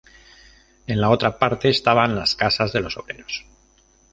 En la otra parte estaban las casas de los obreros.